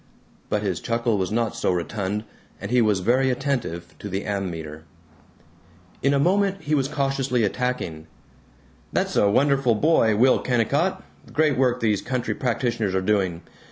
But his chuckle was not so rotund, and he was very attentive to the ammeter. In a moment he was cautiously attacking: "That's a wonderful boy, Will Kennicott. Great work these country practitioners are doing.